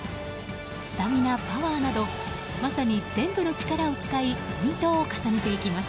スタミナ、パワーなどまさに全部の力を使いポイントを重ねていきます。